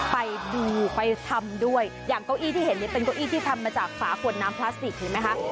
ไปดูไปทำด้วยอย่างเก้าอี้ที่เห็นเนี่ยเป็นเก้าอี้ที่ทำมาจากฝาขวดน้ำพลาสติกเห็นไหมคะ